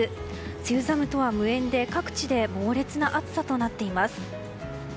梅雨寒とは無縁で各地で猛烈な暑さとなっています。